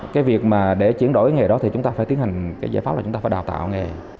cái việc mà để chuyển đổi cái nghề đó thì chúng ta phải tiến hành cái giải pháp là chúng ta phải đào tạo nghề